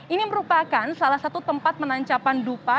ini merupakan salah satu tempat menancapan dupa